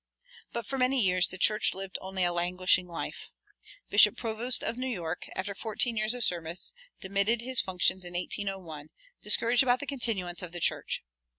But for many years the church lived only a languishing life. Bishop Provoost of New York, after fourteen years of service, demitted his functions in 1801, discouraged about the continuance of the church.